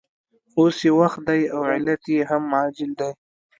اوس یې وخت دی او علت یې هم عاجل دی